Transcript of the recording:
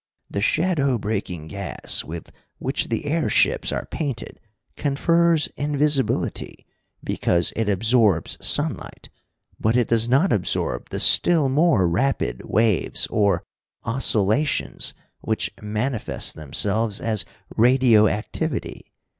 "The shadow breaking gas with which the airships are painted confers invisibility because it absorbs sunlight. But it does not absorb the still more rapid waves, or oscillations which manifest themselves as radio activity.